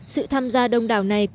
sự tham gia đông đảo này của bỉ